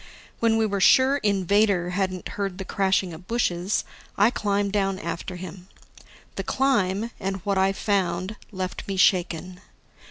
When we were sure Invader hadn't heard the crashing of bushes, I climbed down after him. The climb, and what I found, left me shaken.